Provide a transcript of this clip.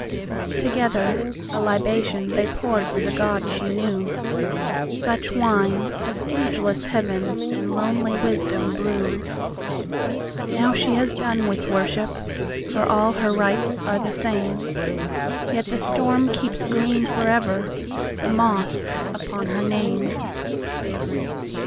Together a libationThey poured to the God she knew, Such wine as ageless heavensAnd lonely wisdom brew. Now she has done with worship, For her all rites are the same; Yet the storm keeps green foreverThe moss upon her name.